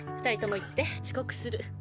２人とも行って遅刻する。